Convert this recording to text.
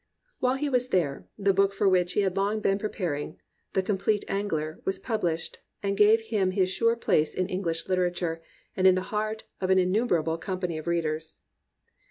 While he was there, the book for which he had been long preparing, The Compleat Angler^ was published, and gave him his sure place in English literature and in the heart of an innu merable company of readers.